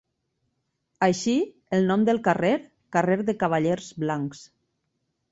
Així, el nom del carrer: "carrer de cavallers blancs".